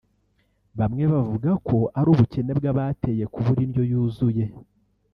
Bamwe bavuga ko ari ubukene bw’abateye kubura indyo yuzuye